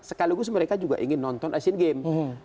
sekaligus mereka juga ingin nonton asian games